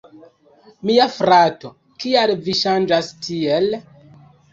Mia frato, kial vi ŝanĝas tiel?